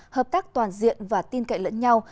hợp tác toàn diện và tin cậy lẫn nhau